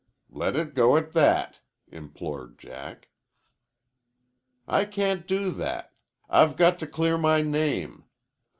Let it go at that," implored Jack. "I can't do that. I've got to clear my name.